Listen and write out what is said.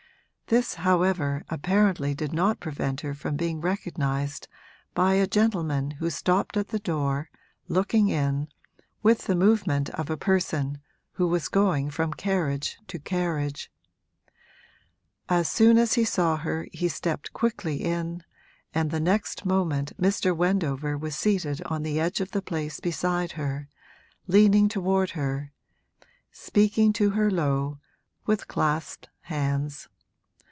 This, however, apparently did not prevent her from being recognised by a gentleman who stopped at the door, looking in, with the movement of a person who was going from carriage to carriage. As soon as he saw her he stepped quickly in, and the next moment Mr. Wendover was seated on the edge of the place beside her, leaning toward her, speaking to her low, with clasped hands.